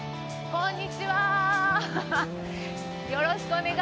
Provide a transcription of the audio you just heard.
こんにちは。